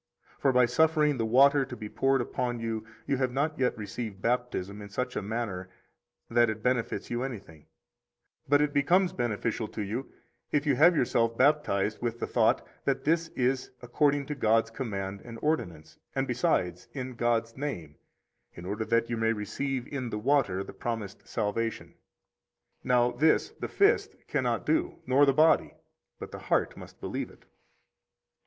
36 For by suffering the water to be poured upon you, you have not yet received Baptism in such a manner that it benefits you anything; but it becomes beneficial to you if you have yourself baptized with the thought that this is according to God's command and ordinance, and besides in God's name, in order that you may receive in the water the promised salvation. Now, this the fist cannot do, nor the body; but the heart must believe it.